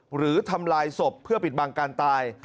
หรือทำลายศพเพื่อปิดบังการตาย